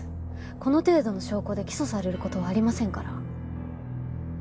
この程度の証拠で起訴されることはありませんから。